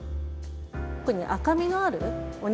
特に赤みのあるお肉。